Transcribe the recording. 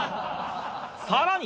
さらに！